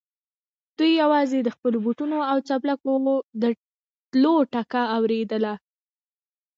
دوی يواځې د خپلو بوټونو او څپلکو د تلو ټکا اورېدله.